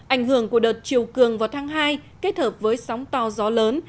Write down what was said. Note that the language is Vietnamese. ảnh hưởng của đợt chiều cường vào tháng hai kết hợp với sóng to gió lớn